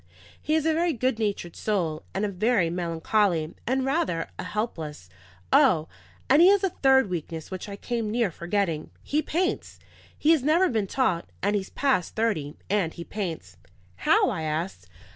He is a very good natured soul, and a very melancholy, and rather a helpless. O, and he has a third weakness which I came near forgetting. He paints. He has never been taught, and he's past thirty, and he paints." "How?" I asked.